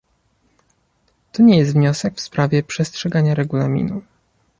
To nie jest wniosek w sprawie przestrzegania regulaminu